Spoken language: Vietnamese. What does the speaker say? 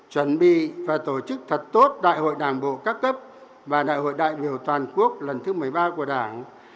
chuẩn bị và tổ chức thật tốt đại hội đảng bộ các cấp và đại hội đại biểu toàn quốc lần thứ một mươi ba của đảng